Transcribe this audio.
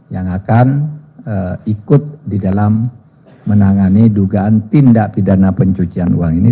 yang akan ikut di dalam menangani dugaan tindak pidana pencucian uang ini